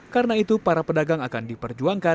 karena itu para pedagang akan diperjuangkan